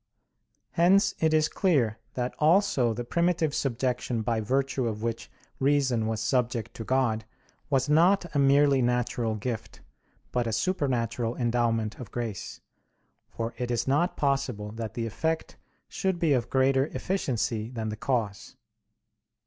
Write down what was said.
Hence it is clear that also the primitive subjection by virtue of which reason was subject to God, was not a merely natural gift, but a supernatural endowment of grace; for it is not possible that the effect should be of greater efficiency than the cause.